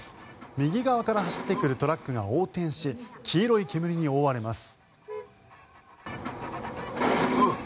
右側から走ってくるトラックが横転し黄色い煙に覆われます。